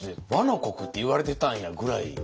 倭の国って言われてたんやぐらい。